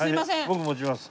僕持ちます。